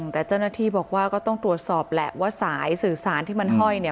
แต่เจ้าหน้าที่บอกว่าก็ต้องตรวจสอบแหละว่าสายสื่อสารที่มันห้อยเนี่ย